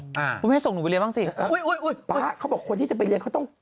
พี่พี่ให้ส่งหนูไปเรียนบ้างสิป๊าเขาบอกคนที่จะไปเรียนเขาต้อง